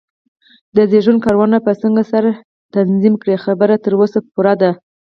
د زېږون کارونه به څنګه سره تنظیم کړې؟ خبره تر وسه پورې ده.